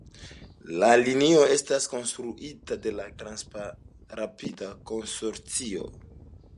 La linio estas konstruita de la Transrapid-konsorcio.